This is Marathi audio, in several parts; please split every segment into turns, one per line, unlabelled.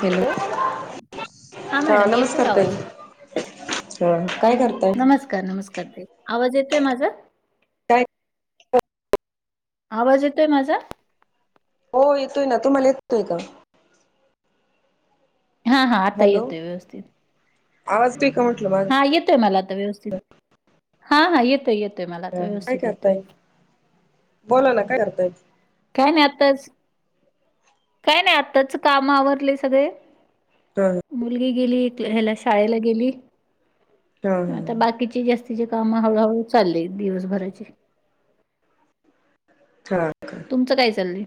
हॅलो, हा
मॅडम
नम
येतोय आवाज नमस्कार नमस्कार ते आवाज येतोय?
काय,
आवाज येतोय माझा?
हो, येतोय ना तुम्हाला येतोय का?
हा हा आता
हॅलो
येतोय व्यवस्थित
आवाज ठीक का म
हा येतोय मला आता व्यवस्थित हा हा येतोय येतो ते मला आता
काय
व्यवस्थित येतोय
करताय बोला ना काय करताय
काय नाही आताच काय नाही आत्ताच काम आवरले सगळे
हा
मुलगी गेली ते ह्याला शाळेला गेली
हा
आता बाकीची जी [unintelligible] काम हळूहळू चालले दिवसभराचे तुमचं काय चाललंय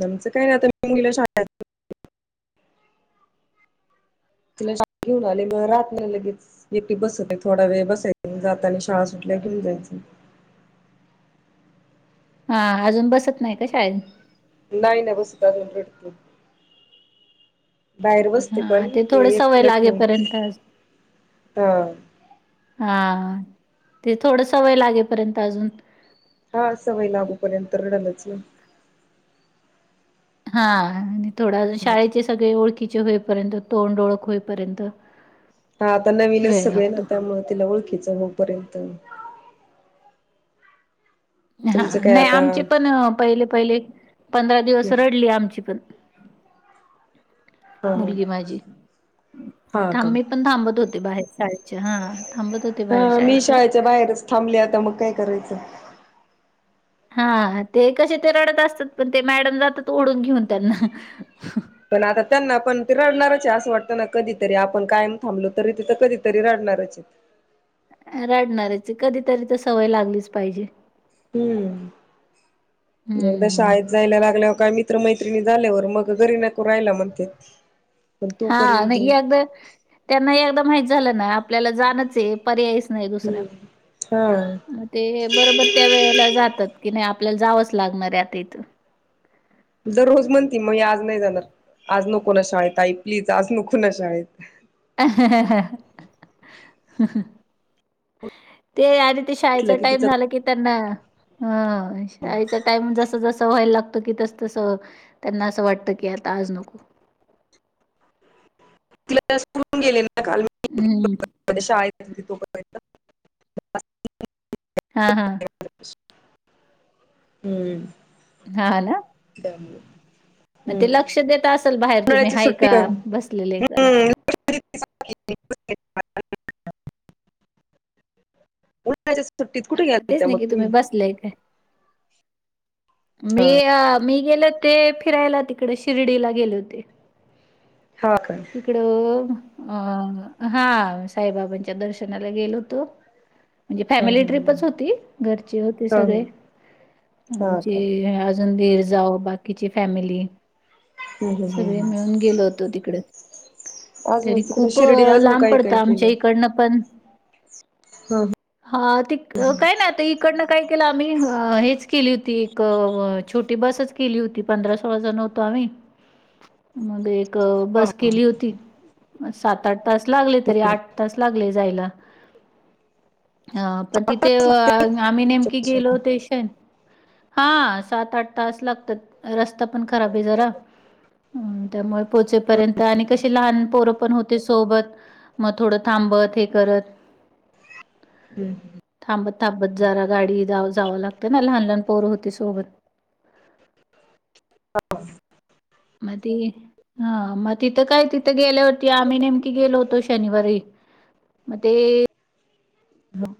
नमचं कायत मुंगला शाळ तुला शाळेत घेऊन आली मग रात्री लगेच एके बसत थोडा वेळ बसाय जाता आणि शाळा ल्या घिऊ जायच
हा अजून बसत नाही का शाळेत
नाही ना बसत अजून रडते बाहेर बसते
हा
पण ते
थोडं
एक
सवय
तुला ठेवून
लागेपर्यंत
हा
हा ते थोडस वय लागेपर्यंत अजून
हा सवय लागूपर्यंत रडलच न
हा आणि थोडा शाळेचे सगळे ओळखी कीचे होईपर्यंत तोंड ओळख होईपर्यंत
हा आता नवीनच
वेळ
सगळे ना
लागतो.
त्यामुळ तिला ओळखीचं होपर्यंत
हा
तुमचं काय
नाही
आता
आमचे पण पहिले पहिले पंधरा दिवस
हम्म
रडली आमची पण
हा
मुलगी माझी
हा हा का
थां-मी पण थांबत होते बाहेर शाळेत हा थांबत होते बाहेर
हा मी
शाळेच्या
बाहेरच थांबले आता मग काय करायचं
हा ते कसे ते रडत असतात पण ते मॅडम जातात ओढून घेऊन त्यांना
पण आता त्यांना पण ते रडणारच आहे असं वाटतं ना कधीतरी आपण कायम थांबलो तरी तिथं कधीतरी रडणार [unintelligible]
रडणाऱ्याची कधीतरी तर सवय लागलीच पाहिजे
हम्म एकदा
हं.
शाळेत जायला लागल्याव काय मित्र मैत्रिणी झाल्यावर मग घरी नको रायला म्हणते पण
हा
तोपर्यंत
नाही
हम्म
एकदा त्यांना एकदा माहित झालं ना आपल्याला जाणच आहे पर्याय यच नाही दुसरा
हा
मग ते बरोबर त्या वेळेला जातात की नाही आप आपल्याला जावंच लागणारय आता इथ
दररोज म्हणती मग आज नाही जाणार आज नको ना शाळेत आई प्लीज आज नको ना शाळेत
ते ते
म्हटलं
शाळेचा
की
टाइम
तिचं
झाला की त्यांना हं.. शाळेचा टाइम जस जस व्हायला लागतं कि तस तस त्यांना असं वाटतं की की आता आज नको
तिलाून गेले ना काल म
हम्म
[unintelligible] [inaudible]
हा हा
हम्म
हाला
च
मग ते लक्ष देत असेल बाहेर तुम्ही हाय का बसलेले का
हम्म [inaudible] उन्हाळ्याच्या सुट्टीत कुठे
हां, तेच
गेलता
नाही
मग
की
तुम्ही
बसलेय काय? मी
हा
अ.. मी गेले होते फिरायला तिकडे शिर्डीला गेले होते
हा का
तिकडं अम हा साईबाबांच्या दर्शनाला गेलो होतो म्हणजे
हा
फॅमिली
हा
ट्रिपच होती घरचे होते
हा
सगळे
हा हा का
म्हंजे दीर जाऊ बाकीची फॅमिली
हम्म हम्म
सगळे
हम्म हम्म
मिळून गेलो होतो तिकडे
अजून
तरी
तिकडे
खूपअ
शिर्डी अजून
लांब
काय काय
पडतं आमच्या
केलं
इकडनं पण
हा
हा त कायना आता इकडनं काय केलं आम्ही हेच केली होती क छोटी बसच केली होती पंधरा सोळा जण होतो आम्ही मग एक
हा
बस
हा
केली होती सात आठ तास लागले तरी आठ तास लागले जायला हा प तिथे
वाटाच लागते
आम्ही नेमकी
त्याच्यापासून
गेलो होते शन हा सात आठ तास लागतात रस्ता पण खराबे जरा त्यामुळे पोहचेपर्यंत आणि कशी लहान पोरंपण होते सोबत म थोडं थांब बत हे करत
हम्
थांबत थांबत जरा गाडी गाव जाव लागते ना लहान लहान पोरं होती सोबत
अ
मध्ये हा म तिथं काय तिथं गेल्यावरती आम्ही नेमकी गेलो होतो शनिवारी मते
ब्लो